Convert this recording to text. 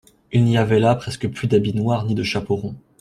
Il n'y avait là presque plus d'habits noirs ni de chapeaux ronds.